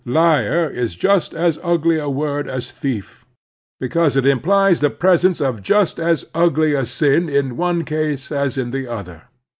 "Liar" is just as ugly a word as "thief," because it implies the presence of just as ugly a sin in one case as in the other.